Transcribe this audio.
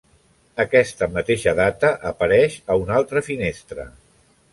Aquesta mateixa data apareix a una altra finestra.